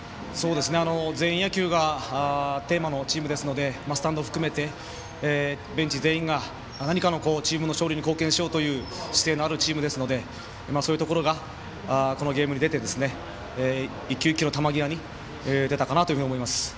全員野球がテーマのチームですのでスタンド含めてベンチ全員が、何かでチームの勝利に貢献しようという姿勢のあるチームですのでそういうところがこのゲームに出て一球一球の球際に出たかなと思います。